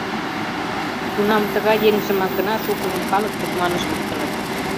Тунам тыгай еҥжымак гына шукыжым «калык тушманыш» луктыныт.